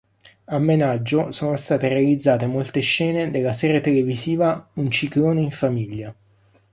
A Menaggio sono state realizzate molte scene della serie televisiva "Un ciclone in famiglia".